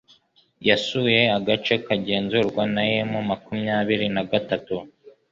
yasuye agace kagenzurwa na Mmakumyabiri na gatatu